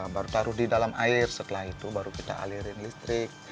baru taruh di dalam air setelah itu baru kita alirin listrik